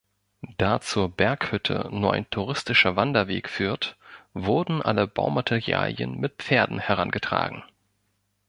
Da zur Berghütte nur ein touristischer Wanderweg führt, wurden alle Baumaterialien mit Pferden herangetragen.